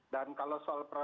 dan kalau soal pejabat